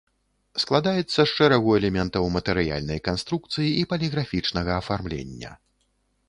Складаецца з шэрагу элементаў матэрыяльнай канструкцыі і паліграфічнага афармлення.